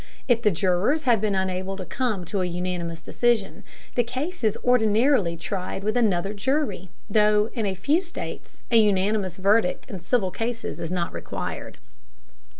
If the jurors have been unable to come to an unanimous decision, the case is ordinarily tried with another jury, though in a few states an unanimous verdict in civil cases is not required.